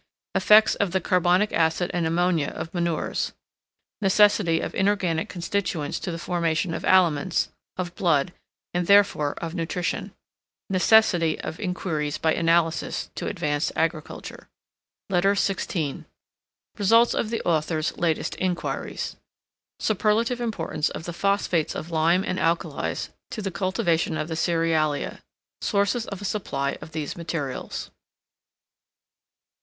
Effects of the Carbonic Acid and Ammonia of Manures. Necessity of inorganic constituents to the formation of aliments, of blood, and therefore of nutrition. NECESSITY OF INQUIRIES by ANALYSIS to advance AGRICULTURE. LETTER XVI RESULTS OF THE AUTHOR'S LATEST INQUIRIES. Superlative importance of the PHOSPHATES OF LIME and ALKALIES to the cultivation of the CEREALIA. Sources of a SUPPLY of these MATERIALS.